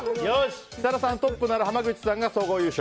設楽さん、トップなら濱口さんが総合優勝。